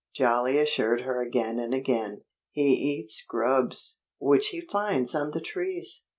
Jolly assured her again and again. "He eats grubs, which he finds on the trees.